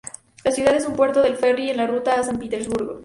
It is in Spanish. La ciudad es un puerto del ferry en la ruta a San Petersburgo.